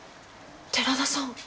寺田さん。